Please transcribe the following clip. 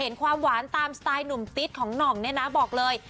ความหวานตามสไตล์หนุ่มติ๊ดของหน่องเนี่ยนะบอกเลย